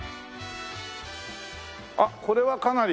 あっこれはかなり。